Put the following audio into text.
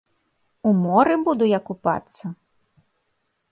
У моры буду я купацца?!.